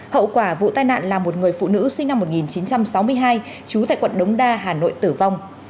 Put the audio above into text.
hậu quả vụ tai nạn là một người phụ nữ sinh năm một nghìn chín trăm sáu mươi hai trú tại quận đống đa hà nội tử vong